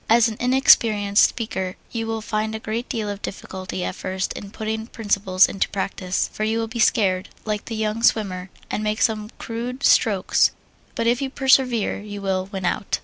As an inexperienced speaker you will find a great deal of difficulty at first in putting principles into practise, for you will be scared, like the young swimmer, and make some crude strokes, but if you persevere you will "win out."